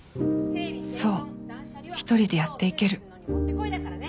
そう１人でやっていける。